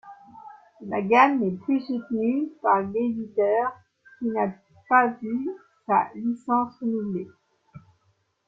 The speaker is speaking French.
La gamme n'est plus soutenue par l'éditeur qui n'a pas vu sa licence renouvelée.